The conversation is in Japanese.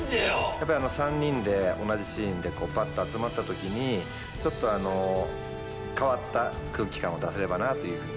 やっぱり３人で同じシーンでパッと集まった時にちょっと変わった空気感を出せればなというふうに。